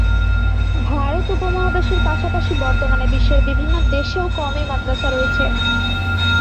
ভারত উপমহাদেশের পাশাপাশি বর্তমানে বিশ্বের বিভিন্ন দেশেও কওমি মাদ্রাসা রয়েছে।